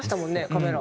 カメラ。